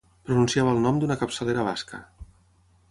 Pronunciava el nom d'una capçalera basca.